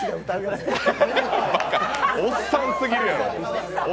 おっさんすぎるやろ！